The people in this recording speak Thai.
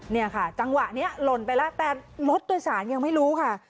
เนี่ยค่ะจังหวะนี้หล่นไปแล้วแต่รถโดยสารยังไม่รู้ค่ะ